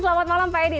selamat malam pak edi